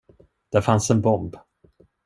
Där fanns en bomb.